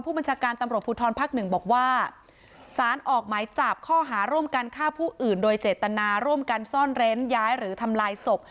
บัญชาการตำรวจภูทรภักดิ์หนึ่งบอกว่าสารออกหมายจับข้อหาร่วมกันฆ่าผู้อื่นโดยเจตนาร่วมกันซ่อนเร้นย้ายหรือทำลายศพ